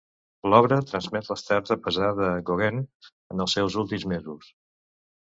L'obra transmet l'estat de pesar de Gauguin en els seus últims mesos.